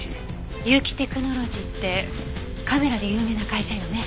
結城テクノロジーってカメラで有名な会社よね？